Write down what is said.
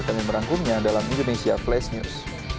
kami merangkumnya dalam indonesia flash news